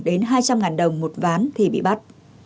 đến hai trăm linh đồng một ván thì bị bắt